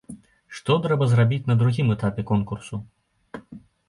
Што трэба зрабіць на другім этапе конкурсу?